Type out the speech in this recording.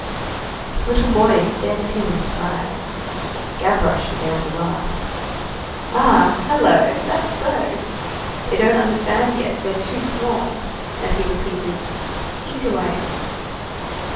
The little boys stared at him in surprise. Gavroche began to laugh. "Ah! hullo, that's so! they don't understand yet, they're too small." And he repeated:— "Eat away."